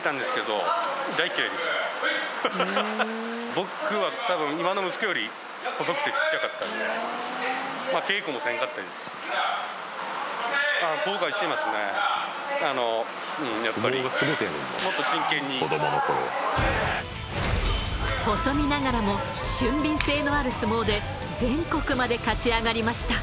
もっと細身ながらも俊敏性のある相撲で全国まで勝ち上がりました。